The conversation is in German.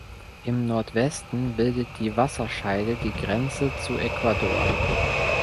Im Nordwesten bildet die Wasserscheide die Grenze zu Ecuador.